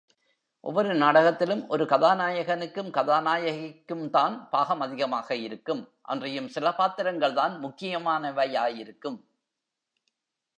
ஒவ்வொரு நாடகத்திலும் ஒரு கதாநாயகனுக்கும் கதாநாயகிக்கும்தான் பாகம் அதிகமாயிருக்கும் அன்றியும் சில பாத்திரங்கள்தான் முக்கியமான வையாயிருக்கும்.